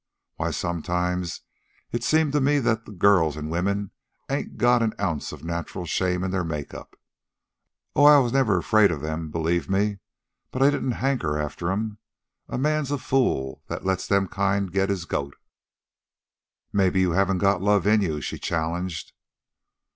Why, sometimes it's seemed to me that girls an' women ain't got an ounce of natural shame in their make up. Oh, I was never afraid of them, believe muh, but I didn't hanker after 'em. A man's a fool that'd let them kind get his goat." "Maybe you haven't got love in you," she challenged.